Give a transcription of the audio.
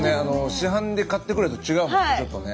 市販で買ってくるやつと違うもんねちょっとね。